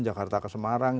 jakarta ke semarang